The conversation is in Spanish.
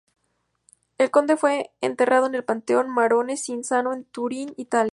El conde fue enterrado en el panteón Marone-Cinzano en Turín, Italia.